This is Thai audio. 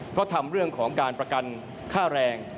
เพราะทำเรื่องของการประกันค่าแรง